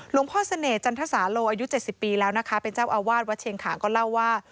พ่อเสน่หจันทสาโลอายุ๗๐ปีแล้วนะคะเป็นเจ้าอาวาสวัดเชียงขางก็เล่าว่า